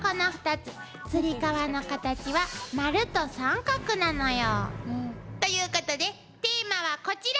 つり革のカタチは丸と三角なのよ。ということでテーマはこちら！